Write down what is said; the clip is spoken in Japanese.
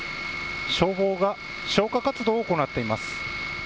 消防が消火活動を行っています。